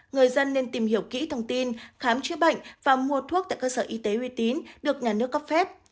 người dân nên tìm hiểu kỹ thông tin khám chữa bệnh và mua thuốc tại cơ sở y tế uy tín được nhà nước cấp phép